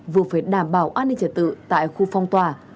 vừa phải đảm bảo an ninh trả tự tại khu phong tòa